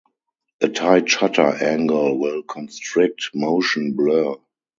A tight shutter angle will constrict motion blur.